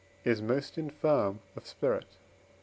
is most infirm of spirit.